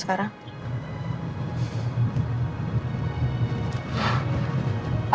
papa tenang aja papa